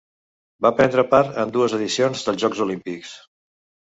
Va prendre part en dues edicions dels Jocs Olímpics.